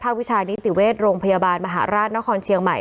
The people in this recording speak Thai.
วิชานิติเวชโรงพยาบาลมหาราชนครเชียงใหม่